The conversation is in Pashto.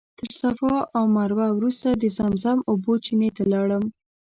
تر صفا او مروه وروسته د زمزم اوبو چینې ته لاړم.